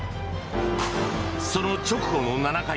その直後の７回。